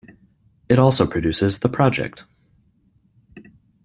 It also produces "The Project".